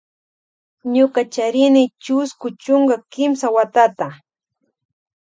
Ñuka charini chusku chunka kimsa watata.